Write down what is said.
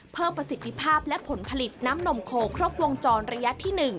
ประสิทธิภาพและผลผลิตน้ำนมโคครบวงจรระยะที่๑